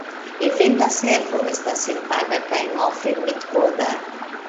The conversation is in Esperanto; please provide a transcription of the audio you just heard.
Eventa Servo estas senpaga kaj malfermitkoda.